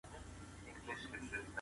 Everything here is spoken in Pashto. د کونډو او یتیمانو لاسنیوی وکړئ.